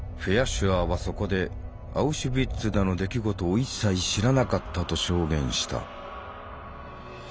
シュアーはそこで「アウシュビッツでの出来事を一切知らなかった」と証言した。